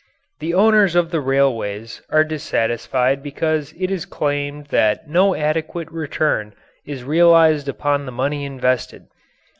The owners of the railways are dissatisfied because it is claimed that no adequate return is realized upon the money invested.